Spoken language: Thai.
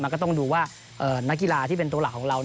ก็ต้องดูว่านักกีฬาที่เป็นตัวหลักของเรา